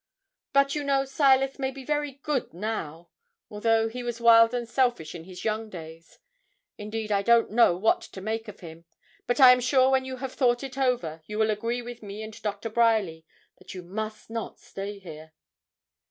'But, you know, Silas may be very good now, although he was wild and selfish in his young days. Indeed I don't know what to make of him; but I am sure when you have thought it over, you will agree with me and Doctor Bryerly, that you must not stay here.'